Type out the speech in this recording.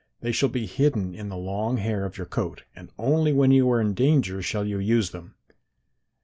They shall be hidden in the long hair of your coat and only when you are in danger shall you use them.